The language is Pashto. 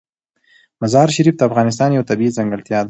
مزارشریف د افغانستان یوه طبیعي ځانګړتیا ده.